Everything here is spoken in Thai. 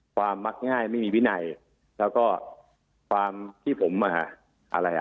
มักง่ายไม่มีวินัยแล้วก็ความที่ผมมาอะไรอ่ะ